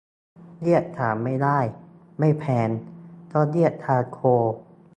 เรียก ถ่าน ไม่ได้ ไม่แพง ต้องเรียก ชาร์โคล